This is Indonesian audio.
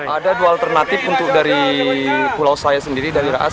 ada dua alternatif untuk dari pulau saya sendiri dari raas